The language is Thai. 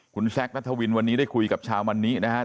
คุณแซคนัทวินวันนี้ได้คุยกับชาวมันนินะครับ